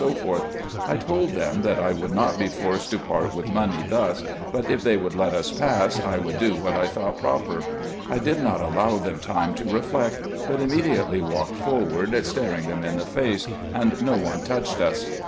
I told them that I would not be forced to part with money thus ; but if they would let us pass, I would do what I thought proper. I did not allow them IN EGYPT, NUBIA, &c. 69 time to reflect, but immediately walked forward, staring them in the face, and no one touched us.